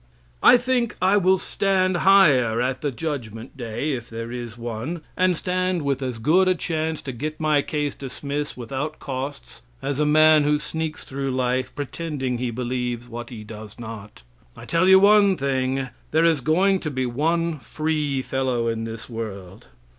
I think I will stand higher at the judgment day, if there is one, and stand with as good a chance to get my case dismissed without costs as a man who sneaks through life pretending he believes what he does not. I tell you one thing; there is going to be one free fellow in this world.